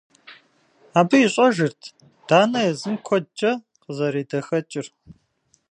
Абы ищӏэжырт Данэ езым куэдкӏэ къызэредэхэкӏыр.